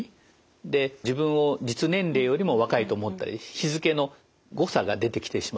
で自分を実年齢よりも若いと思ったり日付の誤差が出てきてしまうと。